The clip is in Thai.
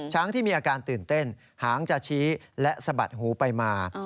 ที่มีอาการตื่นเต้นหางจะชี้และสะบัดหูไปมา